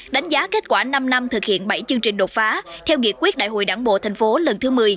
đánh giá kết quả năm năm thực hiện bảy chương trình đột phá theo nghị quyết đại hội đảng bộ thành phố lần thứ một mươi